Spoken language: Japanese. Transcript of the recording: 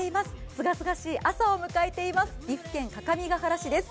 すがすがしい朝を迎えています岐阜県各務原市です。